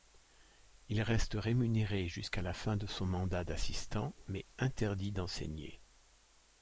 Il reste rémunéré jusqu’à la fin de son mandat d’assistant mais interdit d’enseigner.